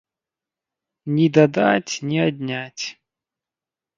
Ні дадаць, ні адняць.